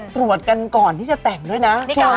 ตรวจกันก่อนที่จะแต่งด้วยนะ